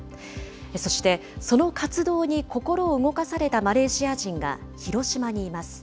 そしてその活動に心を動かされたマレーシア人が広島にいます。